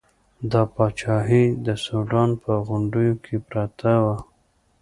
دا پاچاهي د سوډان په غونډیو کې پرته وه.